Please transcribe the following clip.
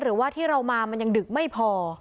หรือว่าที่เรามามันยังดึกไม่พอ